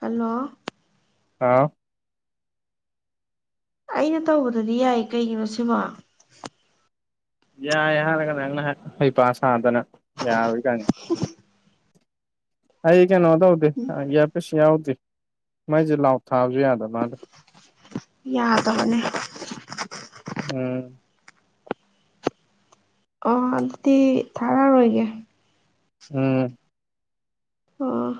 hello ꯍꯥꯎ ꯑꯩꯅ ꯇꯧꯕꯗꯗꯤ ꯌꯥꯏ ꯀꯩꯒꯤꯅꯣ ꯁꯤꯕꯣ ꯌꯥꯏ ꯍꯥꯏꯔꯒ ꯅꯪꯅ ꯍꯩꯄꯥ ꯁꯥꯗꯅ ꯌꯥꯔꯣꯏꯀꯥꯟ ꯑꯩ ꯀꯩꯅꯣ ꯇꯧꯗꯦ ꯑꯦꯔꯄꯤꯁꯨ ꯌꯥꯎꯗꯦ ꯃꯩꯁꯦ ꯂꯥꯎꯗ ꯊꯥꯕꯁꯨ ꯌꯥꯗ ꯃꯥꯜꯂꯦ ꯌꯥꯗꯕꯅꯦ ꯎꯝ ꯑꯣ ꯑꯗꯨꯗꯤ ꯊꯥꯔꯔꯣꯏꯒꯦ ꯎꯝ ꯑꯣꯥ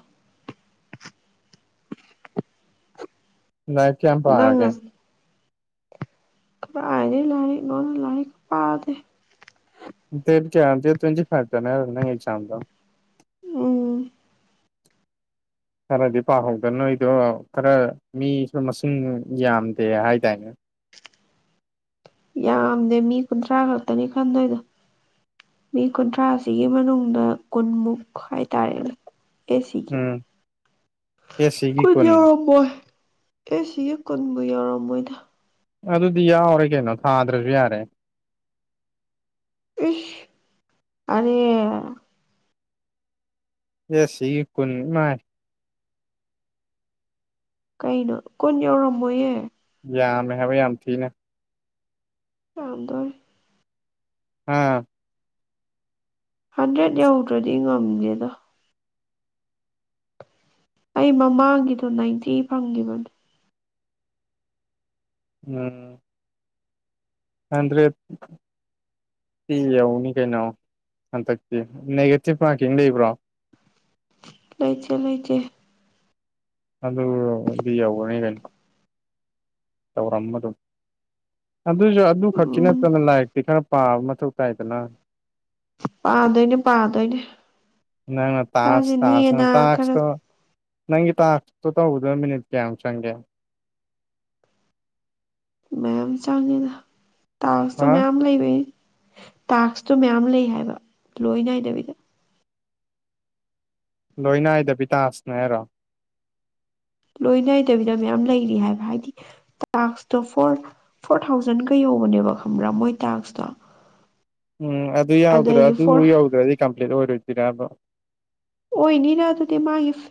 ꯉ ꯅꯪꯉꯁꯤ ꯀꯔꯥꯏꯗꯩ ꯂꯥꯔꯤꯛ ꯅꯣꯗ ꯂꯥꯏꯔꯤꯛ ꯄꯥꯗꯦ ꯗꯦꯠ ꯀꯌꯥ ꯗꯦꯠ ꯇ꯭ꯋꯦꯟꯇꯤ ꯐꯥꯏꯚꯗꯅꯦ ꯑꯦꯛꯖꯝꯗꯣ ꯎꯝ ꯈꯔꯗꯤ ꯄꯥꯍꯧꯗ ꯅꯣꯏꯗꯣ ꯈꯔ ꯃꯤꯁꯨ ꯃꯁꯤꯡ ꯌꯥꯝꯗꯦ ꯍꯥꯏꯗꯥꯅꯦ ꯌꯥꯝꯗꯦ ꯃꯤ ꯀꯨꯟꯊ꯭ꯔꯥ ꯈꯛꯇꯅꯤ ꯈꯟꯗꯣꯏꯗꯣ ꯃꯤ ꯀꯨꯟꯊ꯭ꯔꯥꯁꯤꯒꯤ ꯃꯅꯨꯡꯗ ꯀꯨꯟꯃꯨꯛ ꯍꯥꯏꯇꯥꯔꯦ ꯑꯦꯁꯤꯒꯤ ꯎꯝ ꯑꯦꯁ ꯁꯤꯒꯤ ꯈꯣꯏꯗꯤ ꯀꯨꯟ ꯌꯥꯎꯔꯝꯃꯣꯏ ꯑꯦꯁ ꯁꯤ ꯒꯤ ꯀꯨꯟꯕꯨ ꯌꯧꯔꯝꯃꯣꯏꯗ ꯑꯗꯨꯗꯤ ꯌꯥꯎꯔꯦ ꯀꯩꯅꯣ ꯊꯥꯗ꯭ꯔꯁꯨ ꯌꯥꯔꯦ ꯏꯁ ꯀꯔꯤ ꯑꯦꯁ ꯁꯤ ꯒꯤ ꯀꯨꯟ ꯏꯃꯥꯏ ꯀꯩꯅꯣ ꯀꯨꯟ ꯌꯧꯔꯝꯃꯣꯌꯦ ꯌꯥꯝꯃꯦ ꯍꯥꯏꯕ ꯌꯥꯝ ꯊꯤꯅ [unintelligible] ꯑꯥ ꯍꯟꯗ꯭ꯔꯦꯠ ꯌꯧꯗ꯭ꯔꯗꯤ ꯉꯝꯗꯦꯗ ꯑꯩ ꯃꯃꯥꯡꯒꯤꯗꯣ ꯅꯥꯏꯟꯇꯤ ꯐꯪꯒꯤꯕꯅꯤ ꯎꯝ ꯍꯟꯗ꯭ꯔꯦꯠ ꯁꯤ ꯌꯧꯅꯤ ꯀꯩꯅꯣ ꯍꯟꯗꯛꯇꯤ ꯅꯦꯒꯦꯇꯤꯞ ꯃꯥꯔꯀꯤꯡ ꯂꯩꯕ꯭ꯔꯣ ꯂꯩꯇꯦ ꯂꯩꯇꯦ ꯑꯗꯨꯕꯨ ꯌꯧꯔꯗꯤ ꯌꯧꯔꯅꯤ ꯀꯩꯅꯣ ꯇꯧꯔꯝꯕ ꯑꯗꯨꯝ ꯑꯗꯨꯖꯄ ꯑꯗꯨ ꯈꯛꯀꯤ ꯎꯝ ꯅꯠꯇꯅ ꯂꯥꯏꯛ ꯇꯤ ꯈꯔ ꯄꯥꯕ ꯃꯊꯧ ꯇꯥꯏꯗꯅ ꯄꯥꯗꯣꯏꯅꯦ ꯄꯥꯗꯣꯏꯅꯦ ꯅꯪꯅ ꯁꯥꯁꯦ ꯇꯥꯛꯁ ꯇꯥꯛꯁꯅ ꯅꯦꯅ ꯈꯔ ꯇꯥꯛꯁꯇꯣ ꯅꯪꯒꯤ ꯇꯥꯛꯁꯇꯣ ꯇꯧꯕꯗ ꯃꯤꯅꯤꯠ ꯀꯌꯥꯝꯃꯨꯛ ꯆꯪꯒꯦ ꯃꯌꯥꯝ ꯆꯪꯉꯦꯗ ꯇꯥꯛꯁꯇꯣ ꯍꯥ ꯃꯌꯥꯝ ꯂꯩꯕꯩ ꯇꯥꯛꯁꯇꯣ ꯃꯌꯥꯝ ꯂꯩ ꯍꯥꯏꯕ ꯂꯣꯏ ꯅꯥꯏꯗꯕꯤꯗ ꯂꯣꯏꯅꯥꯏꯗꯕꯤ ꯇꯥꯛꯁꯅꯦ ꯍꯥꯏꯔꯣ ꯂꯣꯏ ꯅꯥꯏꯗꯕꯤꯗ ꯃꯌꯥꯝ ꯂꯩꯔꯤ ꯍꯥꯏꯕ ꯍꯥꯏꯗꯤ ꯇꯥꯛꯁꯇꯣ ꯐꯣꯔ ꯐꯣꯔ ꯊꯥꯎꯖꯟꯒꯥ ꯌꯧꯕꯅꯦꯕ ꯈꯪꯕ꯭ꯔꯥ ꯃꯣꯏ ꯇꯥꯛꯁꯇꯣ ꯎꯝ ꯑꯗꯨ ꯌꯥꯎꯗ꯭ꯔꯥ ꯑꯗꯒꯤ ꯑꯗꯨ ꯐꯣꯔ ꯌꯧꯗ꯭ꯔꯗꯤ ꯀꯝꯄ꯭ꯂꯤꯠ ꯑꯣꯏꯔꯣꯏꯗꯣꯏꯔꯥꯕ ꯑꯣꯏꯅꯤꯅ ꯑꯗꯨꯗꯤ ꯃꯥꯏꯐ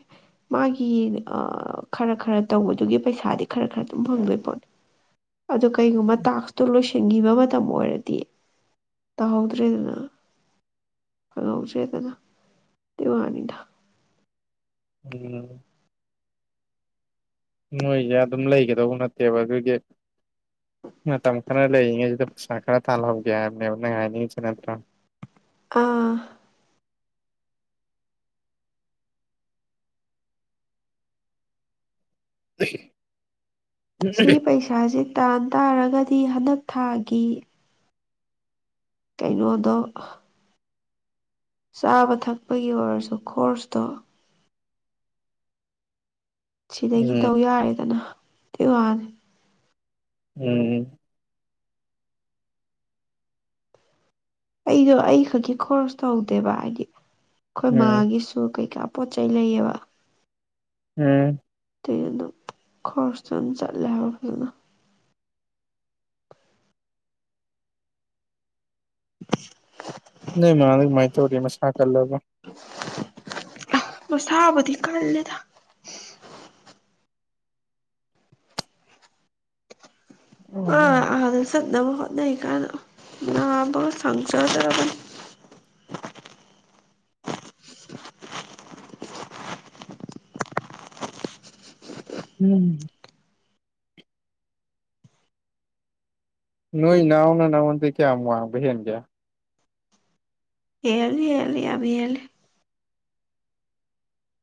ꯃꯥꯒꯤ ꯑꯥ ꯈꯔ ꯈꯔ ꯇꯧꯕꯗꯨꯒꯤ ꯄꯩꯁꯥꯗꯤ ꯈꯔ ꯈꯔ ꯑꯗꯨꯝ ꯐꯪꯗꯣꯏ ꯄꯣꯠꯅꯤ ꯑꯗꯨ ꯀꯩꯒꯨꯝꯕ ꯇꯥꯛꯁꯇꯨ ꯂꯣꯏꯁꯤꯟ ꯂꯣꯏꯁꯤꯟꯒꯤꯕ ꯃꯇꯝ ꯑꯣꯏꯔꯗꯤ ꯇꯥꯍꯧꯗ꯭ꯔꯦꯗꯅ [unintelligible] ꯑꯗꯨꯏ ꯋꯥꯅꯤꯗ ꯎꯝ ꯃꯣꯒꯤꯖꯦ ꯑꯗꯨꯝ ꯂꯩꯒꯗꯧꯕ ꯅꯠꯇꯦꯕ ꯑꯗꯨꯗꯤ ꯃꯇꯝ ꯈꯔ ꯂꯩꯔꯤꯉꯩꯁꯤꯗ ꯄꯩꯁꯥ ꯈꯔ ꯇꯥꯜꯍꯧꯒꯦ ꯍꯥꯏꯕꯅꯦꯕ ꯅꯪ ꯍꯥꯏꯅꯤꯡꯉꯤꯁꯤ ꯅꯠꯇ꯭ꯔꯥ ꯑꯥ [inaudible] ꯁꯤ ꯄꯩꯁꯥꯖꯦ ꯇꯥꯟ ꯇꯥꯔꯒꯗꯤ ꯍꯟꯗꯛ ꯊꯥꯒꯤ ꯀꯩꯅꯣꯗꯣ ꯆꯥꯕ ꯊꯛꯄꯒꯤ ꯑꯣꯏꯔꯁꯨ ꯈꯣꯔꯁꯇꯣ ꯁꯤꯗꯒꯤ ꯎꯝ ꯇꯧ ꯌꯥꯔꯦꯗꯅ ꯑꯗꯨꯏ ꯋꯥꯅꯤ ꯎꯝ ꯑꯩꯗꯣ ꯑꯩ ꯈꯛꯀꯤ ꯈꯣꯔꯁ ꯇꯧꯗꯦꯕ ꯍꯥꯏꯗꯤ ꯑꯩꯈꯣꯏ ꯎꯝ ꯃꯥꯒꯤꯁꯨ ꯀꯩꯀꯥ ꯄꯣꯠ ꯆꯩ ꯂꯩꯌꯦꯕ ꯎꯝ ꯑꯗꯨꯏ ꯑꯗꯨꯝ ꯈꯔꯣꯁꯇꯣ ꯑꯗꯨꯝ ꯆꯠꯂꯦ ꯍꯥꯏꯕ ꯐꯥꯖꯅ [inaudible] ꯅꯣꯏ ꯃꯥꯗꯣ ꯀꯨꯃꯥꯏ ꯇꯧꯔꯤ ꯃꯁꯥ ꯀꯜꯂꯕꯣ [inaudible] ꯃꯁꯥꯕꯗꯤ ꯀꯜꯂꯦꯗ ꯑꯥ ꯎꯝ ꯑꯥꯗ ꯆꯠꯅꯕ ꯍꯣꯠꯅꯩꯀꯥꯟꯗ ꯅꯥꯕꯒ ꯁꯪꯖꯗ꯭ꯔꯥꯕꯅꯤ ꯎꯝ ꯅꯣꯏ ꯏꯅꯥꯎꯅ ꯅꯅꯥꯉꯣꯟꯗꯤ ꯀꯤꯌꯥꯝ ꯋꯥꯡꯕ ꯍꯦꯟꯒꯦ ꯍꯦꯜꯂꯤ ꯍꯦꯜꯂꯤ ꯌꯥꯝ ꯍꯦꯜꯂꯤ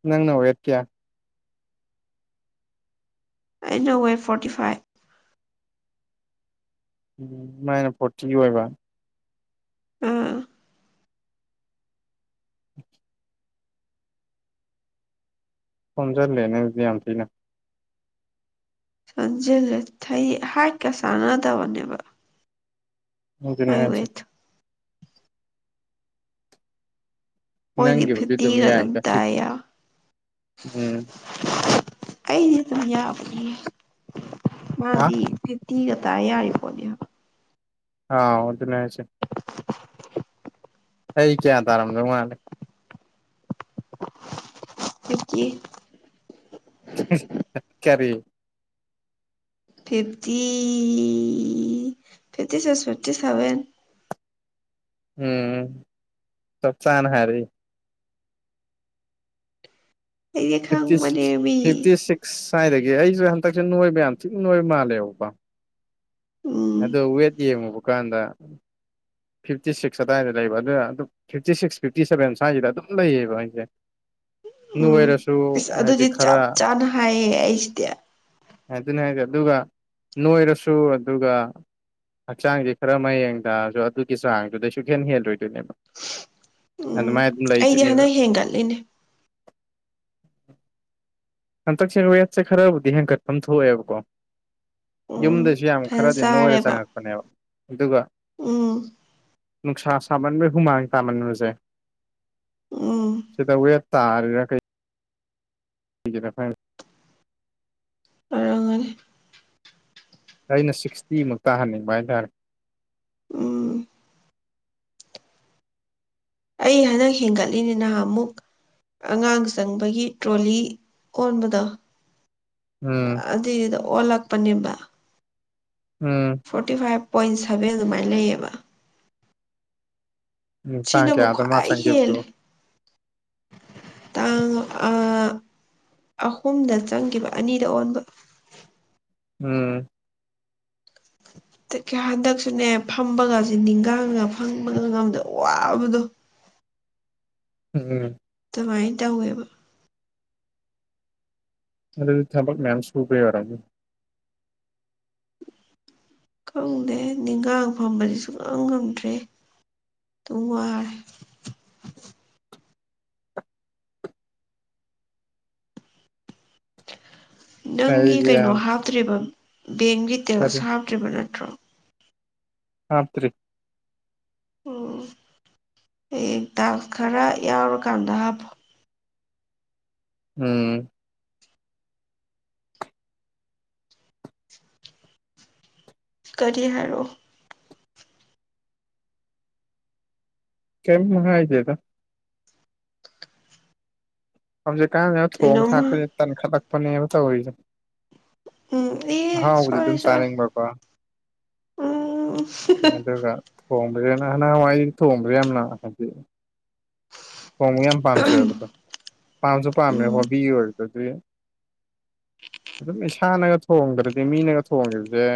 ꯅꯪ ꯅ ꯋꯦꯠ ꯀꯌꯥ ꯑꯩꯅ ꯋꯦꯠ ꯐꯣꯔꯇꯤ ꯐꯥꯏꯚ ꯃꯥꯏꯅ ꯐꯣꯔꯇꯤ ꯑꯣꯏꯕ ꯎꯝ ꯎꯝ [inaudible] ꯁꯣꯟꯖꯜꯂꯦꯅꯦ ꯑꯗꯨꯗꯤ ꯌꯥꯝ ꯊꯤꯅ ꯁꯣꯟꯖꯦꯜꯂꯦ ꯊꯩ ꯍꯥꯏꯠꯀꯥ ꯆꯥꯟꯅꯗꯕꯅꯦꯕ ꯑꯗꯨꯒꯤꯅꯦ ꯑꯩ ꯍꯥꯏꯁꯦ ꯋꯦꯠꯇꯣ ꯃꯣꯏꯗꯤ ꯅꯪꯒꯤꯕꯨꯗꯤ ꯐꯤꯐꯇꯤꯒ ꯑꯗꯨꯝ ꯌꯥꯏꯗ ꯇꯥꯏ ꯌꯥ ꯎꯝ ꯑꯩꯗꯤ ꯑꯗꯨꯝ ꯌꯥꯕꯅꯤꯍꯦ ꯍꯥ ꯃꯥꯗꯤ ꯐꯤꯐꯇꯤꯒꯥ ꯇꯥ ꯌꯥꯔꯤꯄꯣꯠꯅꯦꯕ ꯑꯥꯎ ꯑꯗꯨꯅꯦ ꯍꯥꯏꯁꯦ ꯑꯩ ꯀꯌꯥ ꯇꯥꯔꯝꯗꯧ ꯃꯥꯜꯂꯤ ꯐꯤꯐꯇꯤ ꯀꯔꯤ ꯐꯤꯐꯇꯤ ꯐꯤꯐꯇꯤ ꯁꯤꯁ ꯐꯤꯞꯇꯤ ꯁꯚꯦꯟ ꯎꯝ ꯆꯞ ꯆꯥꯅ ꯍꯥꯏꯔꯛꯏ ꯑꯩꯗꯤ ꯐꯤꯐꯇꯤ ꯈꯪꯕꯅꯦ ꯁꯤꯛꯁ ꯃꯤ ꯐꯤꯐꯇꯤ ꯁꯤꯛꯁ ꯁ꯭ꯋꯥꯏꯗꯒꯤ ꯑꯩꯖꯨ ꯍꯟꯗꯛꯁꯨ ꯅꯣꯏꯕ ꯌꯥꯝ ꯊꯤꯅ ꯅꯣꯏꯕ ꯃꯥꯜꯂꯦꯕꯀꯣ ꯎꯝ ꯑꯗꯣ ꯋꯦꯠ ꯌꯦꯡꯉꯨꯕ ꯀꯥꯟꯗ ꯐꯤꯐꯇꯤ ꯁꯤꯛꯁ ꯑꯗꯨꯋꯥꯏꯗ ꯂꯩꯕ ꯑꯗꯨꯅ ꯑꯗꯨꯝ ꯐꯤꯞꯇꯤ ꯁꯤꯛꯁ ꯐꯤꯞꯇꯤ ꯁꯚꯦꯟ ꯁ꯭ꯋꯥꯏꯖꯤꯗ ꯑꯗꯨꯝ ꯂꯩꯌꯦꯕ ꯑꯩꯖꯦ ꯎꯝ ꯅꯣꯏꯔꯁꯨ ꯏꯁ ꯍꯥꯏꯗꯤ ꯑꯗꯨꯗꯤ ꯈꯔ ꯆꯞ ꯆꯥꯅ ꯍꯥꯏꯌꯦ ꯑꯩꯁꯤꯗꯤ ꯑꯗꯨꯅꯤ ꯍꯥꯏꯖꯦ ꯑꯗꯨꯒ ꯅꯣꯏꯔꯁꯨ ꯑꯗꯨꯒ ꯍꯛꯆꯥꯡꯖꯦ ꯈꯔ ꯃꯌꯦꯡ ꯇꯥꯔꯖꯨ ꯑꯗꯨ ꯒꯤ ꯆꯥꯡꯗꯨꯗꯩ ꯁꯨꯡꯍꯦꯜ ꯍꯦꯜꯂꯣꯏꯗꯣꯏꯅꯦꯕ ꯎꯝ ꯑꯗꯨꯃꯥꯏ ꯑꯩꯗꯤ ꯍꯟꯗꯛ ꯍꯦꯟꯒꯠꯂꯤꯅꯦ ꯍꯟꯇꯛꯁꯦ ꯋꯥꯦꯠꯁꯦ ꯈꯔꯕꯨꯗꯤ ꯍꯦꯟꯒꯠꯐꯝ ꯊꯣꯛꯑꯦꯕꯀꯣ ꯎꯝ ꯌꯨꯝꯗꯩꯁꯨ ꯌꯥꯝ ꯐꯖꯅ ꯈꯔꯗꯤ ꯅꯣꯏꯔ ꯆꯥꯔꯦꯕ ꯆꯪꯉꯛꯄꯅꯦꯕ ꯑꯗꯨꯒ ꯎꯝ ꯅꯨꯡꯁꯥ ꯁꯥꯃꯟꯕꯩ ꯍꯨꯃꯥꯡ ꯇꯥꯃꯟꯕꯖꯦ ꯎꯝ ꯁꯤꯗ ꯋꯦꯠ ꯇꯔꯥꯒ ꯀꯩ [unintelligible] ꯑꯣꯏꯔꯝꯒꯅꯤ ꯑꯩꯅ ꯁꯤꯛꯁꯇꯤꯃꯨꯛ ꯇꯥꯍꯟꯅꯤꯡꯕ ꯍꯥꯏꯇꯥꯔꯦ ꯎꯝ ꯑꯩ ꯍꯟꯗꯛ ꯍꯦꯟꯒꯠꯂꯤꯅꯤ ꯅꯍꯥꯃꯨꯛ ꯑꯉꯥꯡ ꯆꯪꯕꯒꯤ ꯇ꯭ꯔꯣꯂꯤ ꯑꯣꯟꯕꯗꯣ ꯎꯝ ꯑꯗꯨꯏꯗꯨꯗ ꯑꯣꯂꯛꯄꯅꯤꯕ ꯎꯝ ꯐꯣꯔꯇꯤ ꯐꯥꯏꯚ ꯄꯣꯏꯟ ꯁꯕꯦꯟ ꯑꯗꯨꯃꯥꯏꯅ ꯂꯩꯌꯦꯕ ꯎꯝ ꯇꯥꯡ ꯁꯤꯅꯕꯨ ꯀꯌꯥꯗ ꯃꯥ ꯈ꯭ꯋꯥꯏ ꯆꯪꯈꯤꯕꯗꯨ ꯍꯦꯜꯂꯦ ꯇꯥꯡ ꯑꯥ ꯑꯍꯨꯝꯗ ꯆꯪꯒꯤꯕ ꯑꯅꯤꯗ ꯑꯣꯟꯕ ꯎꯝ [inaudible] [unintelligible] ꯍꯟꯗꯛꯁꯨꯅꯦ ꯐꯝꯕꯒꯁꯦ ꯅꯤꯡꯒꯥꯡꯒ ꯐꯝꯕꯒ ꯉꯝꯗ ꯋꯥꯕꯗꯣ ꯎꯝ ꯑꯗꯨꯃꯥꯏꯟ ꯇꯧꯋꯦꯕ ꯑꯗꯨꯗꯤ ꯊꯕꯛ ꯃꯌꯥꯝ ꯁꯨꯕꯩ ꯑꯣꯢꯔꯝꯅꯤ ꯈꯪꯗꯦ ꯅꯤꯡꯒꯥꯡ ꯐꯝꯕꯗꯤ ꯁꯨꯛꯉꯝ ꯉꯝꯗ꯭ꯔꯦ ꯇꯨꯝ ꯋꯥꯔꯦ ꯅꯪꯒꯤ ꯑꯩꯗꯤ ꯀꯩꯅꯣ ꯌꯥꯝ ꯍꯥꯞꯇ꯭ꯔꯤꯕ ꯕꯦꯡꯒꯤ ꯗꯤꯇꯦꯜꯁ ꯀꯔꯤ ꯍꯥꯞꯇ꯭ꯔꯤꯕ ꯅꯠꯇ꯭ꯔꯣ ꯍꯥꯞꯇ꯭ꯔꯤ ꯑꯣ ꯍꯦꯛ ꯇꯥꯛꯁ ꯈꯔ ꯌꯥꯎꯔꯀꯥꯟꯗ ꯍꯥꯞꯄꯣ ꯎꯝ ꯀꯔꯤ ꯍꯥꯏꯔꯑꯣ ꯀꯝ ꯍꯥꯏꯗꯦꯗ ꯍꯧꯖꯤꯛꯀꯥꯟꯖꯤꯅ ꯊꯣꯡ ꯀꯩꯅꯣꯝꯃ ꯊꯥꯛꯄꯁꯤ ꯇꯟꯈꯠꯂꯛꯄꯅꯦꯕ ꯇꯧꯔꯤꯖꯦ ꯎꯝ ꯑꯦ ꯑꯍꯥꯎꯕꯗꯤ ꯁꯣꯏꯔꯦ ꯑꯗꯨꯝ ꯁꯣꯏꯔꯦ ꯆꯥꯅꯤꯡꯕ ꯀꯣ ꯎꯝ ꯑꯗꯨꯒ [unintelligible] ꯊꯣꯡꯕ ꯌꯥꯝ ꯄꯥꯝꯖꯕꯗꯣ ꯄꯥꯝꯖꯨ ꯄꯥꯝꯃꯦ ꯎꯝ ꯍꯣꯕꯤ ꯑꯣꯏꯔꯒꯗꯤ ꯑꯗꯨꯝ ꯏꯁꯥꯅꯒ ꯊꯣꯡꯈ꯭ꯔꯗꯤ ꯃꯤꯅꯒ ꯊꯣꯡꯈꯤꯕꯁꯦ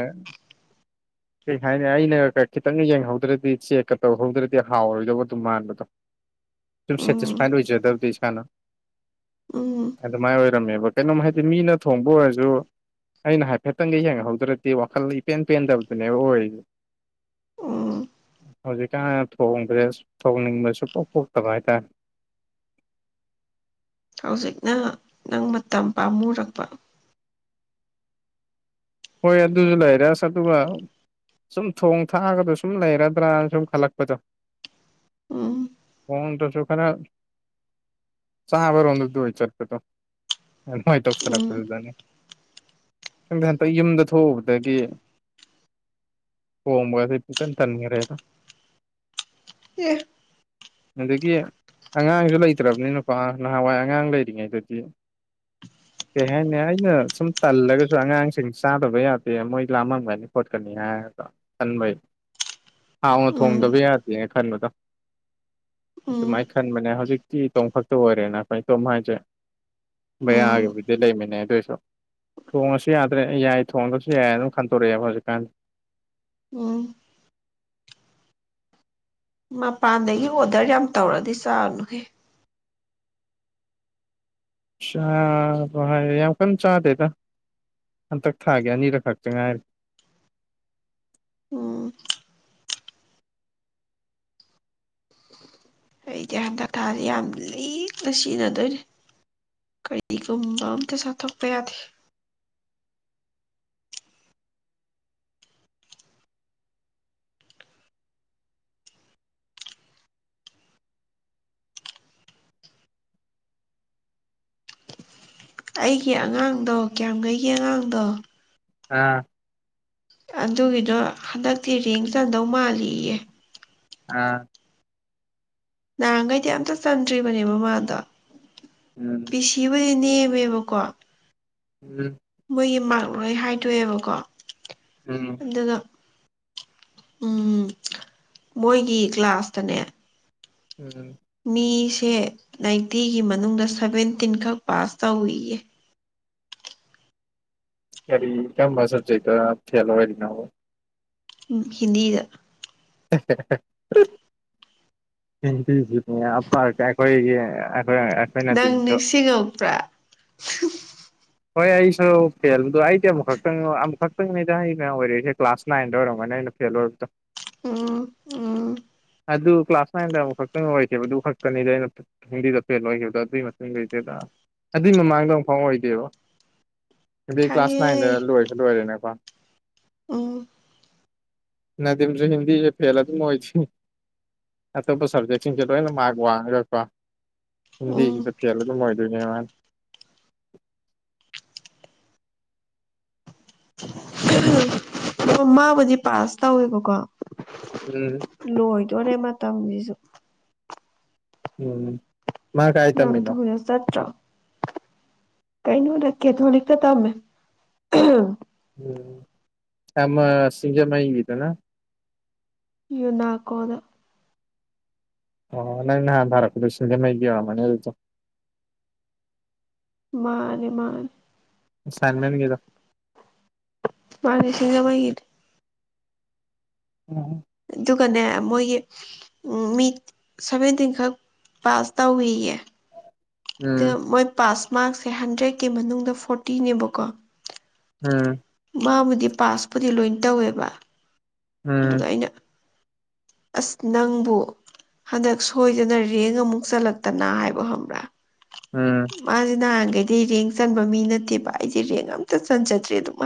[unintelligible] ꯀꯩ ꯍꯥꯏꯅꯤ ꯑꯩꯅꯒ ꯈꯤꯇꯪꯒ ꯌꯦꯡꯍꯧꯗ꯭ꯔꯗꯤ ꯆꯦꯛꯀ ꯇꯧꯍꯧꯗ꯭ꯔꯗꯤ ꯍꯥꯎꯔꯣꯏꯗꯧꯕ ꯑꯗꯨꯝ ꯃꯥꯟꯕꯗꯣ ꯁꯨꯝ ꯎꯝ ꯁꯦꯇꯤꯁꯐꯥꯏꯠ ꯑꯣꯏꯖꯗꯕꯗꯤ ꯏꯁꯥꯅ ꯎꯝ ꯑꯗꯨꯃꯥꯏꯅ ꯑꯣꯏꯔꯝꯃꯦꯕ ꯀꯩꯅꯣꯝ ꯍꯥꯏꯗꯤ ꯃꯤꯅ ꯊꯣꯡꯕ ꯑꯣꯏꯔꯖꯨ ꯑꯩꯅ ꯍꯥꯏꯐꯦꯠꯇꯪꯒ ꯌꯦꯡꯍꯧꯗ꯭ꯔꯗꯤ ꯋꯥꯈꯜ ꯏꯄꯦꯟ ꯄꯦꯟꯗꯕꯗꯨꯅꯦꯕ ꯑꯣꯏꯔꯤꯖꯦ ꯎꯝ ꯍꯧꯖꯤꯛꯀꯥꯟ ꯊꯣꯡꯕꯖꯦ ꯊꯣꯡꯅꯤꯡꯕ ꯁꯨꯡꯄꯣꯛ ꯄꯣꯛꯇꯕ ꯍꯥꯏꯇꯥꯔꯦ ꯍꯧꯖꯤꯛꯅ ꯅꯪ ꯃꯇꯝ ꯄꯥꯝꯃꯨꯔꯛꯄ ꯍꯣꯏ ꯑꯗꯨꯖꯨ ꯂꯩꯔꯦ ꯑꯥꯁ ꯑꯗꯨꯒ ꯁꯨꯝ ꯊꯣꯡ ꯊꯥꯛꯑꯥꯒꯗ ꯁꯨꯝ ꯂꯩꯔꯗ꯭ꯔꯅ ꯁꯨꯝ ꯈꯜꯂꯛꯄꯗꯣ ꯎꯝ ꯐꯣꯟꯇꯁꯨ ꯈꯔ ꯆꯥꯕꯔꯣꯝꯗ ꯑꯗꯨ ꯑꯣꯏ ꯆꯠꯄꯗꯣ ꯑꯗꯨꯃꯥꯏ ꯎꯝ ꯇꯧꯁꯜꯂꯛꯄꯗꯨꯗꯅꯦ ꯈꯪꯗꯦ ꯍꯟꯇꯛ ꯌꯨꯝꯗ ꯊꯣꯛꯎꯕꯗꯒꯤ ꯊꯣꯡꯕꯗꯤ ꯄꯨꯡꯇꯟ ꯇꯟꯒꯔꯦꯗ ꯑꯦ ꯑꯗꯒꯤ ꯑꯉꯥꯡꯁꯨ ꯂꯩꯇ꯭ꯔꯕꯅꯤꯀꯣ ꯅꯍꯥꯟꯋꯥꯏ ꯑꯉꯥꯡ ꯂꯩꯔꯤꯉꯩꯗꯗꯤ ꯀꯩ ꯍꯥꯏꯅꯤ ꯑꯩꯅ ꯁꯨꯝ ꯇꯜꯂꯒꯁꯨ ꯑꯉꯥꯡ ꯁꯤꯡ ꯆꯥꯗꯕ ꯌꯥꯗꯦ ꯃꯣꯏ ꯂꯥꯃꯝꯒꯅꯤ ꯈꯣꯠꯀꯅꯤ ꯍꯥꯏꯔꯗꯣ ꯈꯟꯕꯩ ꯍꯥꯎꯅ ꯎꯝ ꯊꯣꯡꯗꯕ ꯌꯥꯗꯦꯅ ꯈꯟꯕꯗꯣ ꯎꯝ ꯑꯗꯨꯃꯥꯏ ꯈꯟꯕꯅꯦ ꯍꯧꯖꯤꯛꯇꯤ ꯇꯣꯝ ꯈꯛꯇ ꯑꯣꯏꯔꯦꯅ ꯑꯈꯣꯏ ꯇꯣꯝ ꯍꯥꯏꯁꯦ ꯎꯝ ꯕꯌꯥꯒꯤꯕꯨꯗꯤ ꯂꯩꯃꯤꯟꯅꯩ ꯑꯗꯨꯏꯁꯨ ꯊꯣꯡꯉꯁꯨ ꯌꯥ ꯗꯨꯅ ꯑꯩ ꯌꯥꯏ ꯊꯣꯡꯗ꯭ꯔꯁꯨ ꯌꯥꯏ ꯑꯗꯨꯝ ꯈꯟꯗꯣꯔꯛꯑꯦꯕ ꯍꯧꯖꯤꯛꯀꯥꯟ ꯎꯝ ꯃꯄꯥꯟꯗꯒꯤ ꯑꯣꯗꯔ ꯌꯥꯝ ꯇꯧꯔꯗꯤ ꯆꯥꯔꯅꯨꯍꯦ ꯆꯥꯕ ꯍꯥꯏ ꯌꯥꯝ ꯀꯟ ꯆꯥꯗꯦꯗ ꯍꯟꯇꯛ ꯊꯥꯒꯤ ꯑꯅꯤꯔꯛ ꯈꯛꯇ ꯉꯥꯏꯔꯤ ꯎꯝ ꯑꯩ ꯒ꯭ꯌꯥꯟꯒ ꯇꯥꯗꯦ ꯌꯥꯝ ꯂꯤꯛꯅ ꯁꯤꯖꯤꯟꯅꯗꯣꯏꯅꯤ ꯀꯔꯤꯒꯨꯝꯕ ꯑꯝꯇ ꯁꯥꯊꯣꯛꯄ ꯌꯥꯗꯦ ꯑꯩꯒꯤ ꯑꯉꯥꯡꯗꯣ ꯀ꯭ꯌꯥꯝꯈꯩꯒꯤ ꯑꯉꯥꯡꯗꯣ ꯑꯥ ꯑꯗꯨꯒꯤꯗꯣ ꯍꯟꯗꯛꯇꯤ ꯔꯦꯡ ꯆꯟꯗꯧ ꯃꯥꯜꯂꯤꯌꯦ ꯑ ꯅꯍꯥꯟꯒꯩꯗꯤ ꯑꯃꯇ ꯆꯟꯗ꯭ꯔꯤꯕꯅꯦꯕ ꯃꯃꯥꯗꯣ ꯎꯝ ꯄꯤꯁꯤ ꯕꯨꯗꯤ ꯅꯦꯝꯃꯦꯕꯀꯣ ꯎꯝ ꯃꯣꯏꯒꯤ ꯃꯥ꯭ꯔꯛ ꯂꯣꯏ ꯍꯥꯏꯗꯣꯛ ꯑꯦꯕꯀꯣ ꯎꯝ ꯑꯗꯨꯒ ꯎꯝ ꯃꯣꯏꯒꯤ ꯀ꯭ꯂꯥꯁ ꯇꯅꯦ ꯎꯝꯝ ꯃꯤꯁꯦ ꯅꯥꯏꯟꯇꯤꯒꯤ ꯃꯅꯨꯡꯗ ꯁꯚꯦꯟꯇꯤꯟ ꯈꯛ ꯄꯥꯁ ꯇꯧꯏꯌꯦ ꯀꯔꯤ ꯀꯔꯝꯕ ꯁꯕꯖꯦꯛꯇꯥ ꯐꯦꯜ ꯑꯣꯏꯔꯤꯅꯣꯕꯥ ꯍꯤꯟꯗꯤꯗ ꯍ ꯍꯤꯟꯗꯤꯖꯨ ꯃꯌꯥꯝ ꯄꯥꯔ ꯀ ꯑꯩꯈꯣꯏꯈꯣꯏ ꯅꯪ ꯅꯤꯡꯁꯤꯡꯉꯛꯄꯔꯥ ꯍꯣꯏ ꯑꯩꯁꯨ ꯐꯦꯜꯗꯣ ꯑꯩꯗꯤ ꯑꯃꯨꯛꯈꯛꯇꯪ ꯑꯃꯨꯛꯈꯛꯇꯪꯅꯦꯗ ꯑꯩꯅ ꯑꯣꯏꯔꯛ ꯏꯁꯦ ꯀ꯭ꯂꯥꯁ ꯅꯥꯏꯟꯗ ꯑꯣꯏꯔꯝꯒꯅꯤ ꯑꯩꯅ ꯐꯦꯜ ꯑꯣꯏꯕꯗꯥ ꯎꯝ ꯎꯝ ꯑꯗꯨ ꯀ꯭ꯂꯥꯁ ꯅꯥꯏꯟꯗ ꯑꯃꯨꯛ ꯈꯛꯇꯪ ꯑꯣꯏꯈꯤꯕꯗꯨ ꯑꯗꯨ ꯈꯛꯇꯅꯤꯗ ꯑꯩꯅ ꯍꯤꯟꯗꯤꯗ ꯐꯦꯜ ꯑꯣꯏꯈꯤꯕꯗꯣ ꯑꯗꯨꯏ ꯃꯇꯨꯡꯗꯩꯩꯗ ꯑꯗꯨꯏ ꯃꯃꯥꯡꯗ ꯑꯃꯨꯛꯐꯥꯎ ꯑꯣꯏꯗꯦꯕ ꯑꯗꯨ ꯀ꯭ꯂꯥꯁ ꯅꯥꯏꯟꯗ ꯈꯪꯉꯦ ꯂꯣꯏꯁꯨ ꯂꯣꯏꯔꯦꯅꯀꯣ ꯎꯝ ꯅꯗꯤꯝꯁꯨ ꯍꯤꯟꯗꯤꯁꯦ ꯐꯦꯜ ꯑꯗꯨꯝ ꯑꯣꯏꯗ ꯑꯇꯣꯞꯄ ꯁꯕꯖꯦꯛꯁꯤꯡꯁꯦ ꯂꯣꯏ ꯃ꯭ꯔꯛ ꯋꯥꯡꯒ꯭ꯔꯒꯥ ꯀꯣ ꯍꯤꯟꯗꯤ ꯎꯝ ꯁꯤꯗ ꯐꯦꯜ ꯑꯗꯨꯝ ꯑꯣꯏꯗꯣꯏꯅꯦ ꯃꯥꯅ ꯎꯝ ꯃꯥꯕꯨꯗꯤ ꯄꯥꯁ ꯇꯧꯋꯦꯕꯀꯣ ꯎꯝ ꯂꯣꯏꯗꯣꯅꯦ ꯃꯇꯝ ꯖꯤꯖꯨ ꯎꯝ ꯃꯥ ꯀꯥꯏ ꯌꯥꯝ ꯇꯝꯃꯤꯅꯣ ꯊꯨꯅ ꯆꯠꯇ꯭ꯔꯣ ꯀꯩꯅꯣꯗ ꯀꯦꯊꯣꯂꯤꯛꯇ ꯇꯝꯃꯦ ꯎꯝ ꯑꯃ ꯁꯤꯖꯃꯩꯒꯤꯗꯨꯅ ꯌꯨꯅꯥꯀꯣꯗ ꯑꯣ ꯅꯪꯅ ꯅꯍꯥꯟ ꯊꯔꯛꯄꯗꯣ ꯁꯤꯡꯖꯥꯃꯩꯒꯤ ꯑꯣꯏꯔꯝꯃꯅꯤ ꯑꯗꯨꯗꯤ ꯃꯥꯥꯟꯅꯦ ꯃꯥꯟꯅꯦ ꯁꯥꯏꯟ ꯅꯝꯒꯦꯔꯣ ꯃꯟꯅꯦ ꯁꯤꯡꯖꯥꯃꯩꯒꯤꯗꯣ ꯎꯝ ꯑꯗꯨꯒꯅꯦ ꯃꯣꯏꯒꯤ ꯎꯝ ꯃꯤ ꯁꯚꯦꯟꯇꯤꯟ ꯈꯛ ꯄꯥꯁ ꯇꯧꯏꯌꯦ ꯎꯝ ꯃꯣꯏ ꯄꯥꯁ ꯃꯥ꯭ꯔꯛꯁꯦ ꯍꯟꯗ꯭ꯔꯦꯠꯀꯤ ꯃꯅꯨꯡꯗ ꯐꯣꯔꯇꯤꯅꯦꯕꯀꯣ ꯎꯝ ꯃꯥꯕꯨꯗꯤ ꯄꯥꯁꯄꯨꯗꯤ ꯂꯣꯏ ꯇꯧꯋꯦꯕ ꯎꯝ ꯑꯗꯨꯒ ꯑꯩꯅ ꯑꯁ ꯅꯪꯕꯨ ꯍꯟꯗꯛ ꯁꯣꯏꯗꯅ ꯔꯦꯡ ꯑꯃꯨꯛ ꯆꯠꯂꯛꯇꯅ ꯍꯥꯏꯕ ꯈꯪꯕ꯭ꯔꯥ ꯎꯝ ꯃꯥꯁꯦ ꯅꯍꯥꯟꯒꯩꯗꯩ ꯔꯦꯡ ꯆꯟꯕ ꯃꯤ ꯅꯠꯇꯦꯕ ꯑꯩꯁꯦ ꯔꯦꯡ ꯑꯝꯇ ꯆꯟꯖꯗ꯭ꯔꯦ ꯑꯗꯨꯝ ꯍꯥꯏ